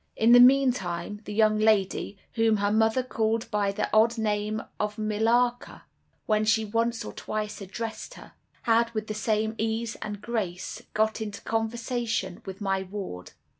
"In the meantime the young lady, whom her mother called by the odd name of Millarca, when she once or twice addressed her, had, with the same ease and grace, got into conversation with my ward.